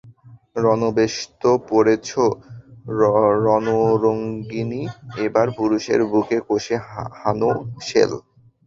রণবেশ তো পরেছ, রণরঙ্গিণী, এবার পুরুষের বুকে কষে হানো শেল।